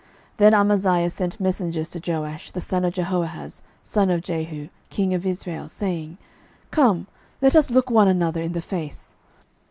12:014:008 Then Amaziah sent messengers to Jehoash, the son of Jehoahaz son of Jehu, king of Israel, saying, Come, let us look one another in the face.